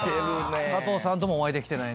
加藤さんともお会いできてない。